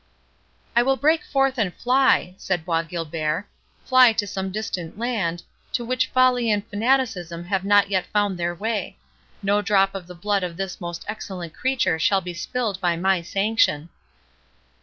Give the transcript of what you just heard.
"I will break forth and fly," said Bois Guilbert—"fly to some distant land, to which folly and fanaticism have not yet found their way. No drop of the blood of this most excellent creature shall be spilled by my sanction."